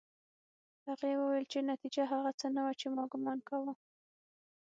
هغې وویل چې نتيجه هغه څه نه وه چې ما ګومان کاوه